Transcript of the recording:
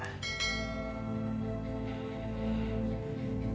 aku mau serius sama kamu ayah